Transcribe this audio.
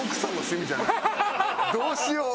どうしよう？